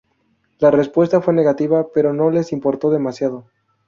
La respuesta fue negativa, pero no les importó demasiado.